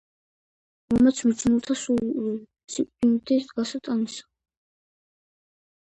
მომეც მიჯნურთა სურვილი, სიკვდიდმდე გასატანისა,